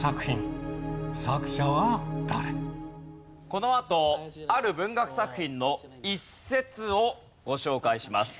このあとある文学作品の一節をご紹介します。